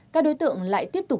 các đối tượng lại tiếp tục